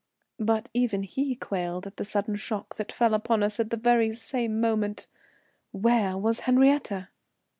But even he quailed at the sudden shock that fell upon us at the very same moment. Where was Henriette?